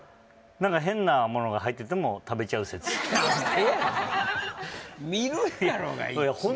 何か変なものが入ってても食べちゃう説なんでやねん